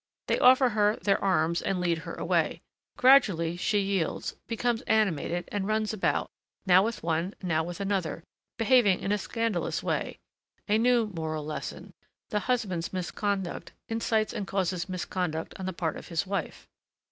They offer her their arms and lead her away. Gradually she yields, becomes animated, and runs about, now with one, now with another, behaving in a scandalous way: a new moral lesson the husband's misconduct incites and causes misconduct on the part of his wife.